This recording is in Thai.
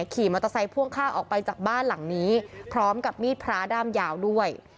ขี่มอเตอร์ไซค์พ่วงข้างออกไปจากบ้านหลังนี้พร้อมกับมีดพระด้ามยาวด้วย